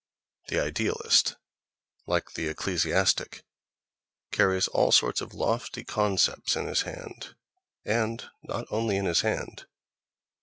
The idealist, like the ecclesiastic, carries all sorts of lofty concepts in his hand (—and not only in his hand!)